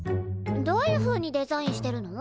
どういうふうにデザインしてるの？